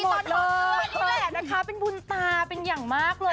คือมันดีตอนถอดเสื้อนนี้แหละนะคะเป็นบุญตาเป็นอย่างมากเลย